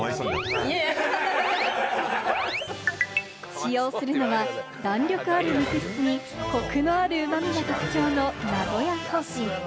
使用するのは弾力ある肉質にコクのある旨味が特徴の名古屋コーチン。